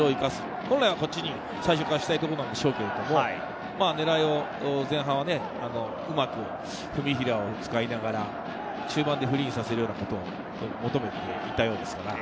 本来は最初からこちらにしたいところでしょうけれど、前半は狙いをうまく文平を使いながら、中盤でフリーにさせるようなことを求めていたようです。